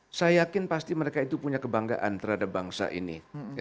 saya yakin pasti mereka itu punya kebanggaan terhadap bangsa ini